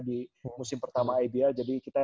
di musim pertama ibl jadi kita